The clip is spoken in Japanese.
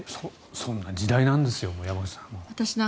そんな時代なんですよ山口さん。